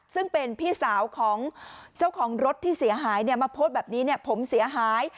ซึ่งเป็นพี่สาวของเจ้าของรถที่เสียหายมาโพสต์แบบนี้ผมเสียหาย